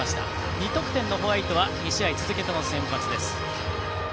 ２得点のホワイトは２試合続けての先発です。